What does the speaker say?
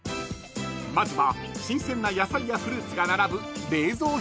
［まずは新鮮な野菜やフルーツが並ぶ］